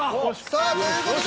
さあという事で。